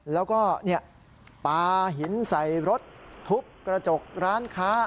แล้วก็ปลาหินใส่รถทุบกระจกร้านค้า